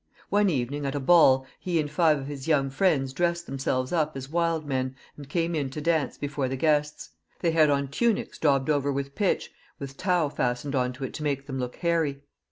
One evening, at a ball, he and five of his young friends dressed themselves up as wild men, and came in to dance before the guests. They liad on tunics daubed over with pitch, with tow fastened on to it to make them look hairy.